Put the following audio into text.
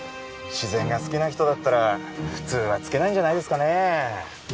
自然が好きな人だったら普通はつけないんじゃないですかね。